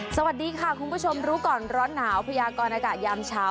สวัสดีค่ะคุณผู้ชมรู้ก่อนร้อนหนาวพยากรอากาศยามเช้า